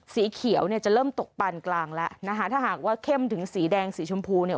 สีเขียวเนี่ยจะเริ่มตกปานกลางแล้วนะคะถ้าหากว่าเข้มถึงสีแดงสีชมพูเนี่ย